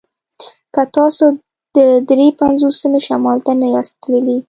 که تاسې د دري پنځوسمې شمال ته نه یاست تللي